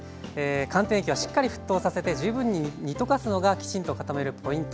寒天液はしっかり沸騰させて十分に煮溶かすのがきちんと固めるポイント。